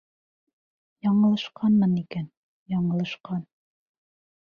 Яңылышҡанмын икән, яңылышҡан...